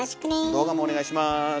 動画もお願いします。